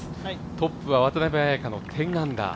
トップは渡邉彩香の１０アンダー